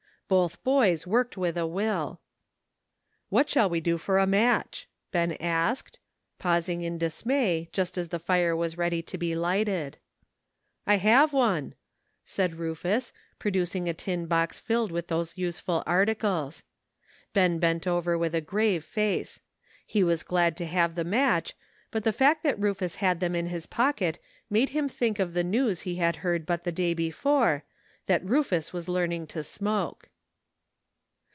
Both boys worked with a will. "What shall we do for a match?" Ben asked, pausing in dismay, just as the fire was ready to be lighted. "I have one," said Rufus, producing a tin box filled with those useful articles. Ben bent over with a grave face ; he was glad to have the match, but the fact that Rufus had them in his pocket made him think of the news he had heard but the day before, that Rufus was learn ing to smoke.